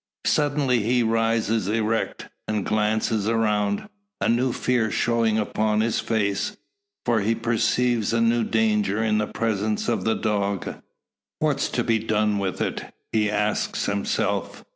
Suddenly he rises erect, and glances around, a new fear showing upon his face. For he perceives a new danger in the presence of the dog. "What's to be done with it?" he asks himself.